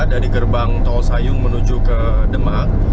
dari gerbang tol sayung menuju ke demak